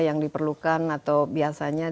yang diperlukan atau biasanya